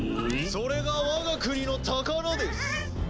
それが我が国の宝です。